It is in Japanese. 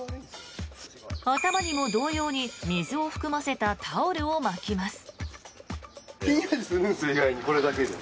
頭にも同様に水を含ませたタオルを巻きます。